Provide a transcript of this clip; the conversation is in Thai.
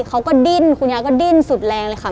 เขาก็ดิ้นคุณยายก็ดิ้นสุดแรงเลยค่ะ